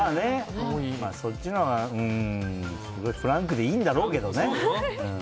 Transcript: そっちのほうがフランクでいいんだろうけどね。